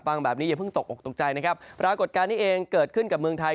ฟังแบบนี้อย่าเพิ่งตกออกตกใจนะครับปรากฏการณ์นี้เองเกิดขึ้นกับเมืองไทย